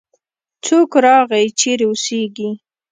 څوک راغی؟ چیرې اوسیږې؟